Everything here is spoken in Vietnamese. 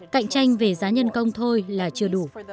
cạnh tranh về giá nhân công thôi là trường hợp